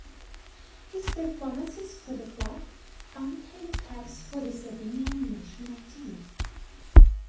His performances for the club earned him caps for the Slovenian national team.